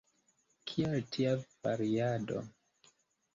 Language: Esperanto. Kial tia variado?